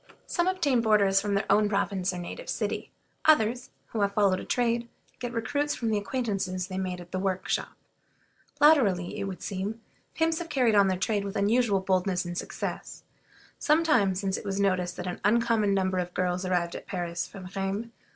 Some obtain boarders from their own province or native city; others, who have followed a trade, get recruits from the acquaintances they made at the workshop. Latterly, it would seem, pimps have carried on their trade with unusual boldness and success. Some time since it was noticed that an uncommon number of girls arrived at Paris from Rheims.